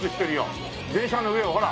電車の上をほら！